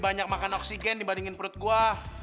banyak makan oksigen dibandingin perut gue